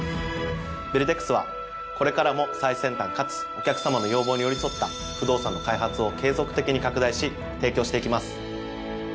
ベルテックスはこれからも最先端かつお客様の要望に寄り添った不動産の開発を継続的に拡大し提供して行きます。